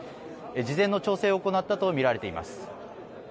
事前の調整を行ったと見られています。